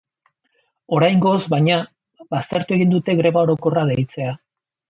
Oraingoz, baina, baztertu egin dute greba orokorra deitzea.